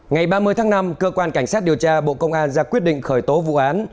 ngày ba mươi tháng năm cơ quan cảnh sát điều tra bộ công an ra quyết định khởi tố vụ án